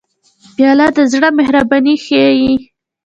پیاله د زړه مهرباني ښيي.